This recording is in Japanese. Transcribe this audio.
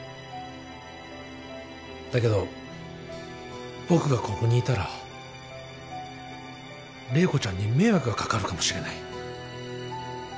だけど僕がここにいたら麗子ちゃんに迷惑が掛かるかもしれない。